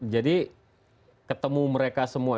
jadi ketemu mereka semua